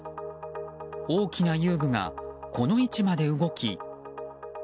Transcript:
大きな遊具がこの位置まで動き。